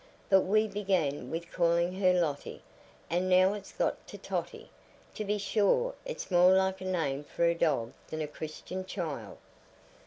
But we began with calling her Lotty, and now it's got to Totty. To be sure it's more like a name for a dog than a Christian child."